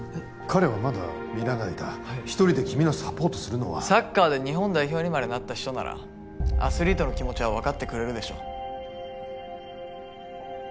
彼はまだ見習いだ一人で君のサポートするのはサッカーで日本代表にまでなった人ならアスリートの気持ちは分かってくれるでしょ